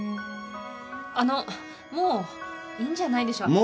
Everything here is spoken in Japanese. あのうもういいんじゃないでしょうか。